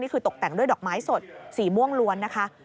คือตกแต่งด้วยดอกไม้สดสีม่วงล้วนนะคะ